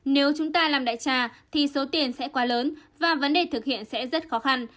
nếu chúng ta làm đại trà thì số tiền sẽ quá lớn và vấn đề thực hiện sẽ rất khó khăn